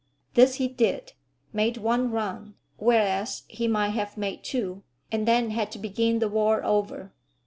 This he did; made one run, whereas he might have made two, and then had to begin the war over.